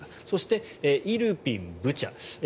そしてイルピン、ブチャ